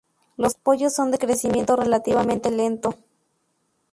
Los pollos son de crecimiento relativamente lento.